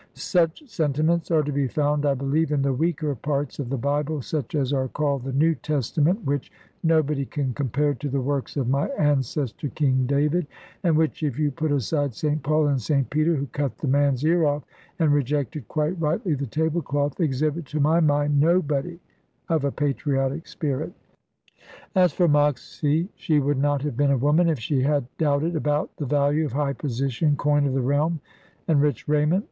Such sentiments are to be found, I believe, in the weaker parts of the Bible, such as are called the New Testament, which nobody can compare to the works of my ancestor, King David; and which, if you put aside Saint Paul, and Saint Peter (who cut the man's ear off, and rejected quite rightly the table cloth), exhibit to my mind nobody of a patriotic spirit. As for Moxy, she would not have been a woman if she had doubted about the value of high position, coin of the realm, and rich raiment.